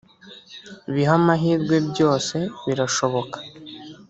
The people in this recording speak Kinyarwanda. bihe amahirwe byose birashoboka